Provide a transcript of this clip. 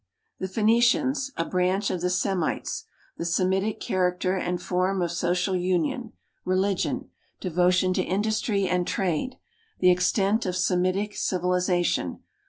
The Phcenicians a branch of the Semites. The Semitic character and form of social union. Religion. Devotion to industry and trade. The extent of Semitic civilization.